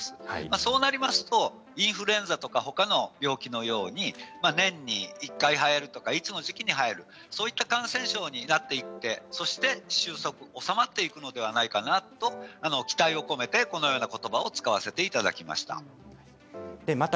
そうなりますとインフルエンザとか他の病気のように年に１回はやるとか一時期はやるというような感染症になって収束していくのではないかと期待を込めてこのような言葉を使わせていただきました。